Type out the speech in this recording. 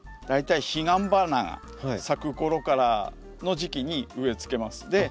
大体ヒガンバナが咲くころからの時期に植えつけます。